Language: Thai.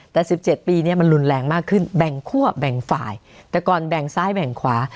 แต่๑๗ปีเนี่ยมันรุนแรงมากขึ้นแบ่งคั่วแบ่งฝ่ายแต่ก่อนแบ่งซ้ายแบ่งขวา